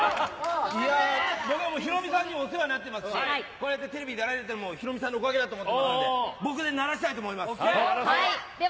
ヒロミさんにお世話になっていますので、テレビに出られているのもヒロミさんのおかげですので、僕で鳴らしたいと思います。